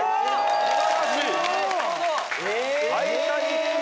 素晴らしい。